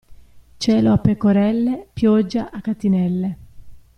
Cielo a pecorelle, pioggia a catinelle.